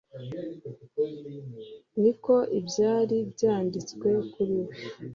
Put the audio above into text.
"Niko ibyari byanditswe kuri we,